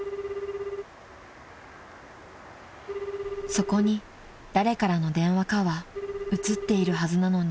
［そこに誰からの電話かは映っているはずなのに］